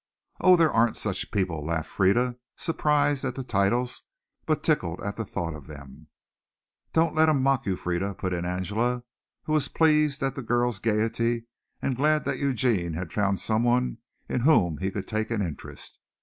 "Oh, there aren't such people," laughed Frieda, surprised at the titles but tickled at the thought of them. "Don't you let him mock you, Frieda," put in Angela, who was pleased at the girl's gayety and glad that Eugene had found someone in whom he could take an interest.